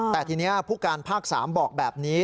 แต่ทีนี้ผู้การภาค๓บอกแบบนี้